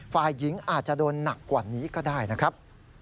ฝ่ายหญิงอาจจะโดนหนักกว่านี้ก็ได้นะครับ